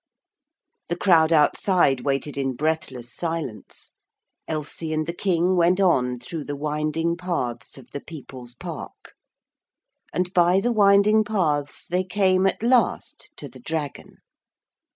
The crowd outside waited in breathless silence. Elsie and the King went on through the winding paths of the People's Park. And by the winding paths they came at last to the Dragon.